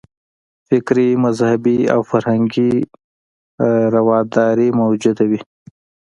فکري، مذهبي او فرهنګي رواداري موجوده وي.